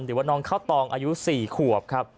หรือว่าน้องเข้าตองอายุ๔ขวบ